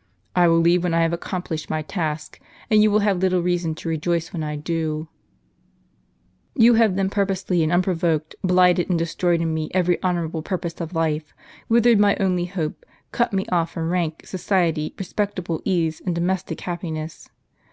" I will leave when I have accomplished my task, and you will have little reason to rejoice when I do. Ton have then purposely, and unprovoked, blighted and destroyed in me every honorable purpose of life, withered my only hope, cut me off from rank, society, respectable ease, and domestic happiness.